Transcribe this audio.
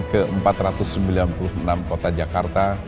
ke empat ratus sembilan puluh enam kota jakarta